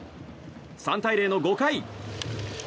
３対０の５回。